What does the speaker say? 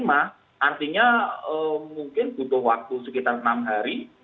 artinya mungkin butuh waktu sekitar enam hari